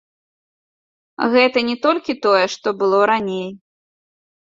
Гэта не толькі тое, што было раней.